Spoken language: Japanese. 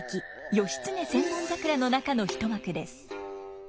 「義経千本桜」の中の一幕です。